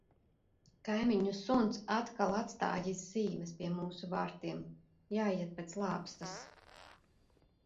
Kaimiņu suns atkal atstājis zīmes pie mūsu vārtiem - jāiet pēc lāpstas.